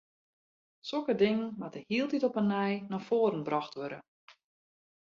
Sokke dingen moatte hieltyd op 'e nij nei foaren brocht wurde.